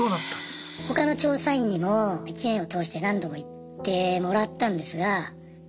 他の調査員にも１年を通して何度も行ってもらったんですが